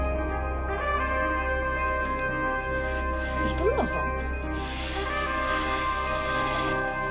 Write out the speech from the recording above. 糸村さん？